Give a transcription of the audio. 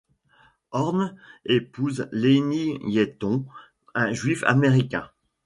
Horne épouse Lennie Hayton, un juif américain.